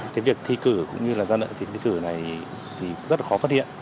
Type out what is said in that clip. cái việc thi cử cũng như là gian lận thi cử này thì rất là khó phát hiện